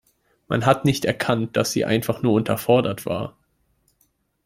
Man hat nicht erkannt, dass sie einfach nur unterfordert war.